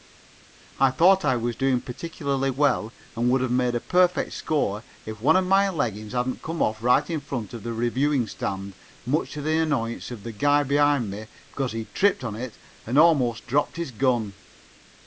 I thought I was doing particularly well and would have made a perfect score if one of my leggins hadn't come off right in front of the reviewing stand much to the annoyance of the guy behind me because he tripped on it and almost dropped his gun.